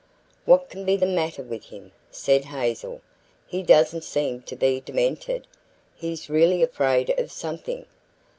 "What can be the matter with him?" said Hazel. "He doesn't seem to be demented. He's really afraid of something."